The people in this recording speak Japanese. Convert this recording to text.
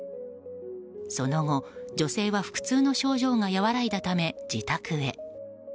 その後、女性は腹痛の症状が和らいだため自宅へ。